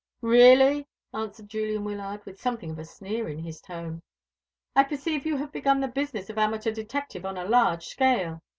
"Really!" exclaimed Julian Wyllard, with something of a sneer in his tone. "I perceive you have begun the business of amateur detective on a large scale.